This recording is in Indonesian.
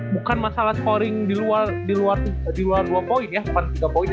bukan masalah scoring diluar dua point ya bukan tiga point ya